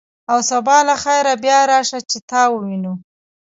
او سبا له خیره بیا راشه، چې تا ووینو.